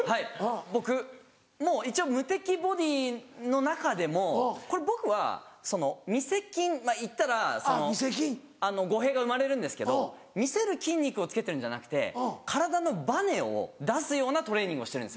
僕一応無敵ボディの中でもこれ僕は見せ筋まぁいったら語弊が生まれるんですけど見せる筋肉をつけてるんじゃなくて体のバネを出すようなトレーニングをしてるんですよ。